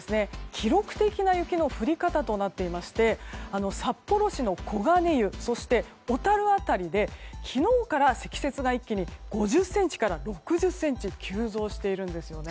記録的な雪の降り方となっていまして札幌市の小金湯そして小樽辺りで昨日から、積雪が一気に５０ｃｍから６０ｃｍ急増しているんですよね。